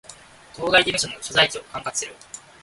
当該事務所の所在地を管轄する